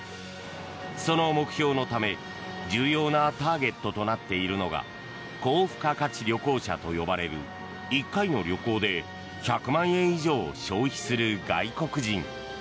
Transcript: その目標のため重要なターゲットとなっているのが高付加価値旅行者と呼ばれる１回の旅行で１００万円以上を消費する外国人。